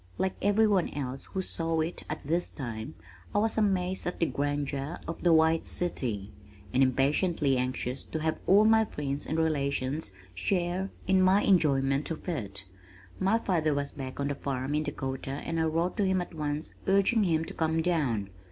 Like everyone else who saw it at this time I was amazed at the grandeur of "The White City," and impatiently anxious to have all my friends and relations share in my enjoyment of it. My father was back on the farm in Dakota and I wrote to him at once urging him to come down.